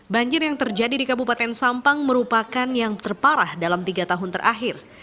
banjir yang terjadi di kabupaten sampang merupakan yang terparah dalam tiga tahun terakhir